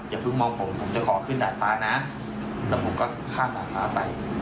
อย่าเพิ่งมองผมผมจะขอขึ้นดาดฟ้านะแล้วผมก็ข้ามดาดฟ้าไป